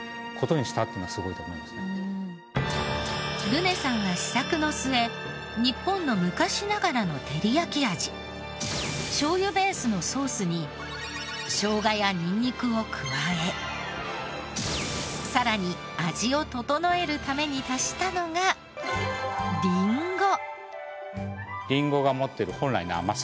ルネさんは試作の末日本の昔ながらのてりやき味醤油ベースのソースにショウガやニンニクを加えさらに味を調えるために足したのがリンゴ。